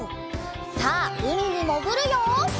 さあうみにもぐるよ！